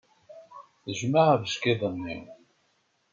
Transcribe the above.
Tejmeɛ abeckiḍ-nni.